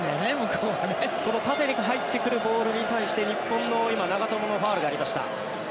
この縦に入ってくるボールに対して日本の、今、長友のファウルがありました。